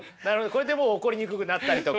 これでもう怒りにくくなったりとか。